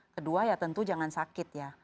kedua ya tentu jangan sakit ya